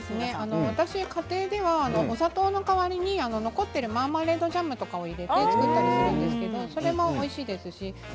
家庭ではお砂糖の代わりに残ってるマーマレードジャムで作ったりするんですけどそれでも、おいしいです。